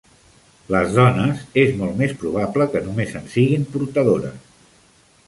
Les dones és molt més probable que només en siguin portadores.